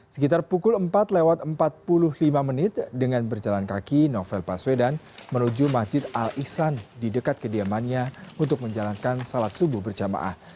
sekitar pukul empat lewat empat puluh lima menit dengan berjalan kaki novel baswedan menuju masjid al ihsan di dekat kediamannya untuk menjalankan salat subuh berjamaah